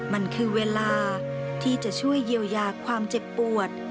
มันคือเวลาที่จะช่วยเยียวยาความเจ็บปวด